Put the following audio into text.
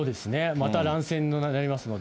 また乱戦になりますので。